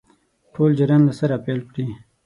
ټول جریان له سره پیل کړي.